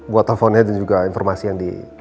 buat teleponnya dan juga informasi yang di